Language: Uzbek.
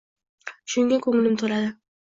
Shunga ko‘nglim to‘ladi